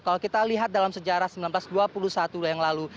kalau kita lihat dalam sejarah seribu sembilan ratus dua puluh satu yang lalu